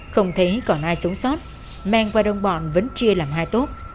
không thấy còn ai sống sót mẹng và đồng bọn vẫn chia làm hai tốt